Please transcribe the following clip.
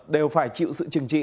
đều phải chịu sự trừng trí